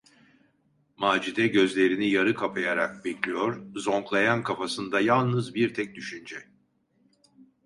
Macide gözlerini yarı kapayarak bekliyor, zonklayan kafasında yalnız bir tek düşünce: